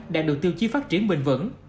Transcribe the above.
đang được tiêu chí phát triển bình vẩn